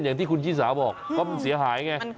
อย่างที่คุณชิสาบอกเพราะมันเสียหายไง